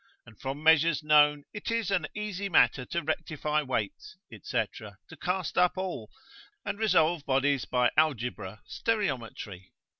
and from measures known it is an easy matter to rectify weights, &c. to cast up all, and resolve bodies by algebra, stereometry.